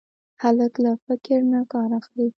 هلک له فکر نه کار اخلي.